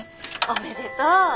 おめでとう！